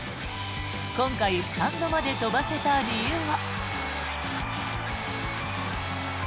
今回スタンドまで飛ばせた理由は。